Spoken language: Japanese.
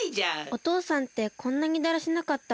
おとうさんってこんなにだらしなかったんだ。